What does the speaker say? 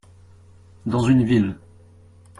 Dans une ville.